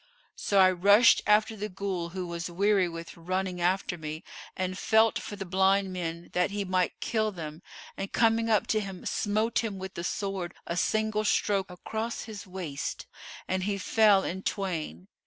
So I rushed after the Ghul, who was weary with running after me and felt for the blind men that he might kill them and, coming up to him smote him with the sword a single stroke across his waist and he fell in twain.